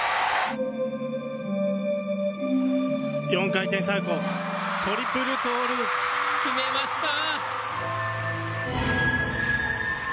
４回転サルコー、トリプルト決めました。